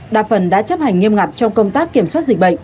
đa phần đã chấp hành nghiêm ngặt trong công tác kiểm soát dịch bệnh